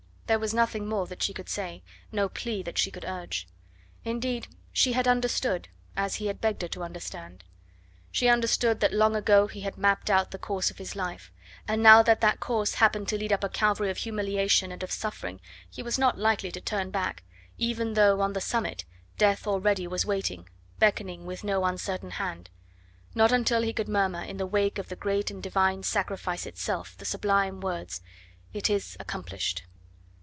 There was nothing more that she could say, no plea that she could urge. Indeed, she had understood, as he had begged her to understand. She understood that long ago he had mapped out the course of his life, and now that that course happened to lead up a Calvary of humiliation and of suffering he was not likely to turn back, even though, on the summit, death already was waiting and beckoning with no uncertain hand; not until he could murmur, in the wake of the great and divine sacrifice itself, the sublime words: "It is accomplished."